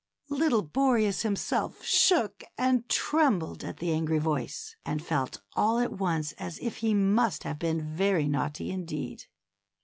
Little Boreas himself shook and trembled at the angry voice, and felt all at once as if he must have been very naughty indeed.